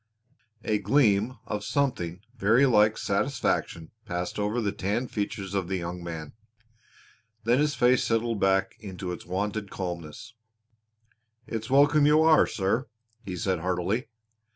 A gleam of something very like satisfaction passed over the tanned features of the young man. Then his face settled back into its wonted calmness. "It's welcome you are, sir," he said heartily.